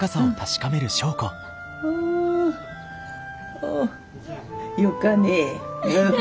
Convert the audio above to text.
およかね。